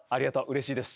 うれしいです。